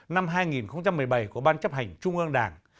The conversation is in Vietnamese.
năm hai nghìn một mươi bảy của ban chấp hành trung ương đảng